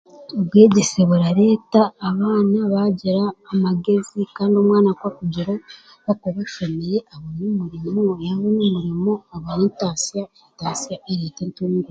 obwegyese burareeta abaana baagira amagezi kandi omwana ku akugira akuba ashomire abona omurimo, yaabona omurimo abona entaasya, entaasya ereeta entunguuka.